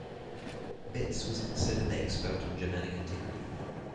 Betz was considered an expert on Germanic Antiquity.